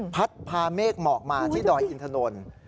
พัดพาเมฆหมอกมาที่ดอยอินทนนท์